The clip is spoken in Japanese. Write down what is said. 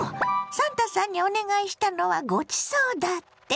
サンタさんにお願いしたのは「ごちそう」だって？